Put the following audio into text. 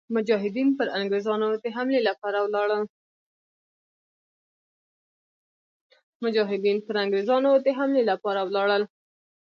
مجاهدین پر انګرېزانو د حملې لپاره ولاړل.